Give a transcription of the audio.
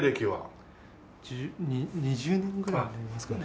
１０２０年ぐらいになりますかね。